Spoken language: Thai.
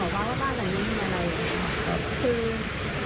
ไม่ใช่บ้านหลังนี้หรอกอะไรเงี้ยค่ะ